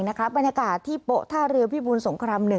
ในขณะบรรยากาศที่โปะท่าเรือพี่บูลสงคราม๑